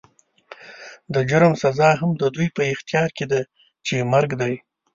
د جرم سزا هم د دوی په اختيار کې ده چې مرګ دی.